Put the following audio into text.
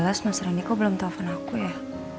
udah jam dua belas mas rendy kok belum telfon aku ya